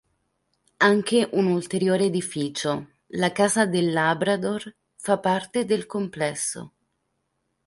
Anche un ulteriore edificio, la Casa del Labrador, fa parte del complesso.